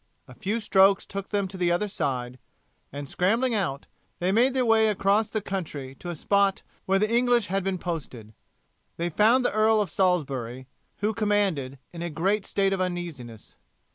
A few strokes took them to the other side, and scrambling out, they made their way across the country to the spot where the English had been posted. They found the Earl of Salisbury, who commanded, in a great state of uneasiness.